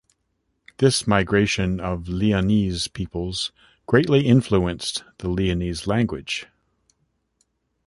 This migration of Leonese peoples greatly influenced the Leonese language.